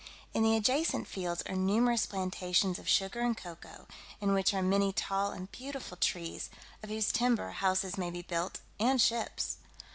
In the adjacent fields are numerous plantations of sugar and cocoa, in which are many tall and beautiful trees, of whose timber houses may be built, and ships.